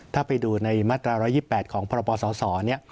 ถ้าไปดูในมาตรา๑๒๘ของพรปศเนี่ย